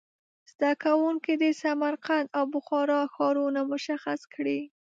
زده کوونکي دې سمرقند او بخارا ښارونه مشخص کړي.